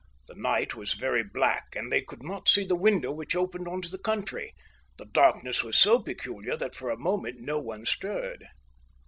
The night was very black, and they could not see the window which opened on to the country. The darkness was so peculiar that for a moment no one stirred.